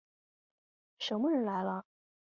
什么人来了？